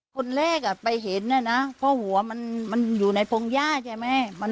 คนแรกไปเห็นนะนะเพราะหัวมันอยู่ในพงหญ้าใช่ไหม